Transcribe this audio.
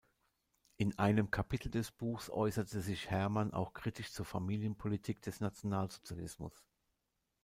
In einem Kapitel des Buchs äußerte sich Herman auch kritisch zur Familienpolitik des Nationalsozialismus.